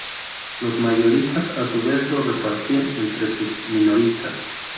Los "mayoristas" a su vez lo repartían entre sus "minoristas".